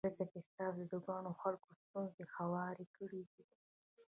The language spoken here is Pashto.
ځکه چې تاسې د ګڼو خلکو ستونزې هوارې کړې دي.